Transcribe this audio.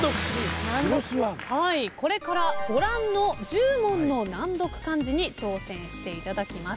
これからご覧の１０問の難読漢字に挑戦していただきます。